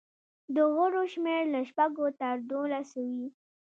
د غړو شمېر له شپږو تر دولسو وي.